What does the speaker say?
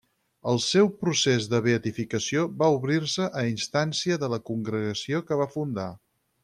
El seu procés de beatificació va obrir-se a instància de la congregació que va fundar.